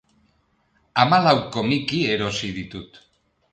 Hamalau komiki erosi ditu.